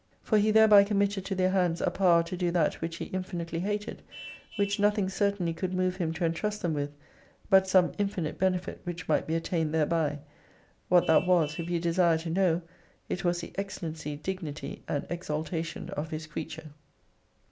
For He thereby committed to their hands a power to do that which He infinitely hated, which nothing certainly could move Him to entrust them with, but some infinite benefit which might be attained thereby, What that was, if you desire to know, it was the excel lency, dignity and exaltation of His creature.